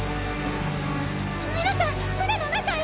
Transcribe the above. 皆さん船の中へ！